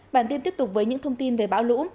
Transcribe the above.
bản tin tiếp tục với những thông tin về bão lũ